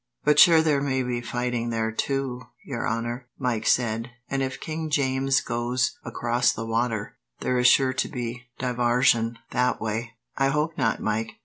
"But sure there may be fighting there, too, your honour," Mike said; "and if King James goes across the water, there is sure to be divarsion that way." "I hope not, Mike.